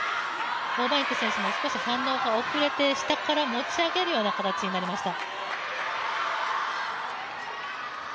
王曼イク選手も少し反応が遅れて下から持ち上げるような形になりました。